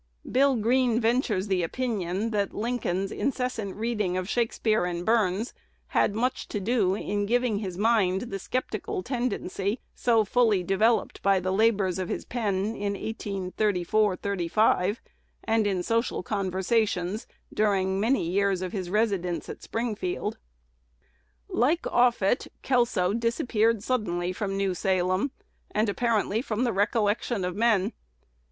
Bill Green ventures the opinion, that Lincoln's incessant reading of Shakspeare and Burns had much to do in giving to his mind the "sceptical" tendency so fully developed by the labors of his pen in 1834 5, and in social conversations during many years of his residence at Springfield. Like Offutt, Kelso disappeared suddenly from New Salem, and apparently from the recollection of men.